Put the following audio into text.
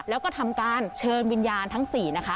แล้วก็ทำการเชิญวิญญาณทั้ง๔นะคะ